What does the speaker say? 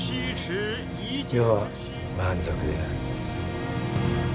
余は満足である。